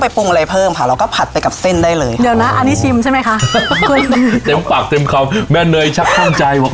ผิดเสร็จเราเดินหนีเลยไม่อยากบอกว่ารวดแซ่บมาก